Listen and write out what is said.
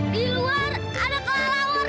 di luar ada kelalauan kak